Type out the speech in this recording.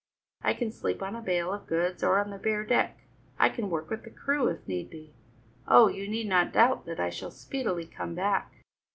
I can sleep on a bale of goods or on the bare deck; I can work with the crew, if need be. Oh! you need not doubt that I shall speedily come back."